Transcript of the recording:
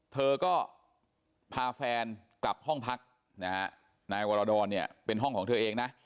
เธอก็พาแฟนกลับห้องพักนะฮะนายวรดรเนี่ยเป็นห้องของเธอเองนะ